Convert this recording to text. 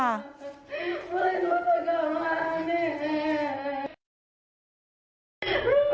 นะคะ